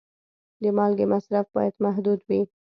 د مالګې مصرف باید محدود وي.